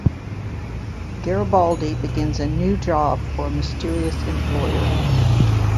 Garibaldi begins a new job for a mysterious employer.